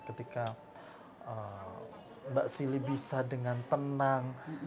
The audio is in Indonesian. ketika mbak sili bisa dengan tenang